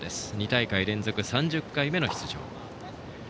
２大会連続３０回目の出場。